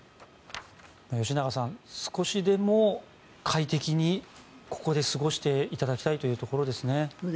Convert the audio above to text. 吉永さん、少しでも快適にここで過ごしていただきたいというところですね。